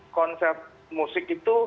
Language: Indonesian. konser musik itu